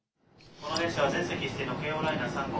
この列車は全席指定の京王ライナー３号。